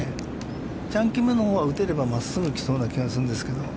チャン・キムのほうは、打てれば、真っすぐ来そうな気がするんですけど。